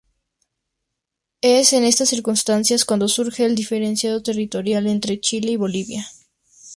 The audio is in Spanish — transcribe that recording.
Es en estas circunstancias cuando surge el diferendo territorial entre Chile y Bolivia.